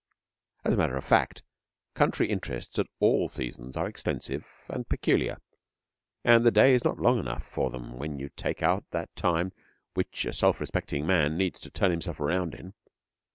As a matter of fact, country interests at all seasons are extensive and peculiar, and the day is not long enough for them when you take out that time which a self respecting man needs to turn himself round in.